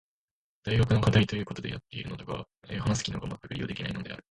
大学の課題と言うことでやっているのだが話す機能がまったく利用できていないのである。